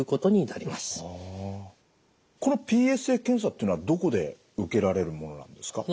このＰＳＡ検査ってのはどこで受けられるものなんですか？